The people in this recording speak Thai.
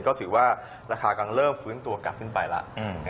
ก็ถือว่าราคากำลังเริ่มฟื้นตัวกลับขึ้นไปแล้ว